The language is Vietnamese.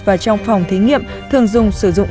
và trong phòng thí nghiệm thường dùng sử dụng